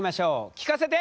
聞かせて！